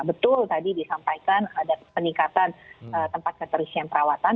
betul tadi disampaikan ada peningkatan tempat keterisian perawatan